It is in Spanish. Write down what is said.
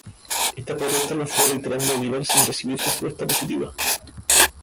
Estas protestas las fue reiterando Aguilar sin recibir respuesta positiva.